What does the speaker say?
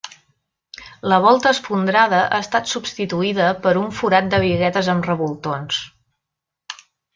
La volta esfondrada ha estat substituïda per un forat de biguetes amb revoltons.